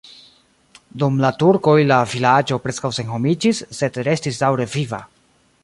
Dum la turkoj la vilaĝo preskaŭ senhomiĝis, sed restis daŭre viva.